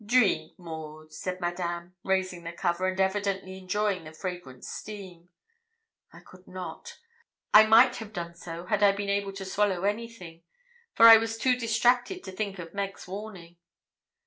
'Drink, Maud,' said Madame, raising the cover, and evidently enjoying the fragrant steam. I could not. I might have done so had I been able to swallow anything for I was too distracted to think of Meg's warning.